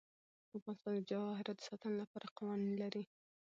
افغانستان د جواهرات د ساتنې لپاره قوانین لري.